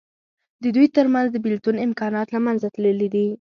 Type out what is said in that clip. د دوی تر منځ د بېلتون امکانات له منځه تللي دي.